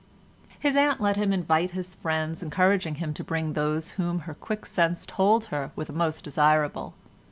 His aunt let him invite his friends, encouraging him to bring those whom her quick sense told her were the most desirable.